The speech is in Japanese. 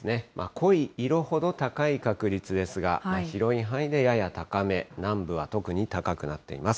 濃い色ほど、高い確率ですが、広い範囲でやや高め、南部は特に高くなっています。